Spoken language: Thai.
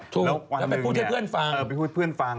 แล้วไปพูดให้เพื่อนฟัง